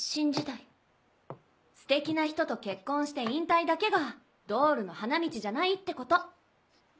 ステキな人と結婚して引退だけがドールの花道じゃないってこと。